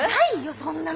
そんなの。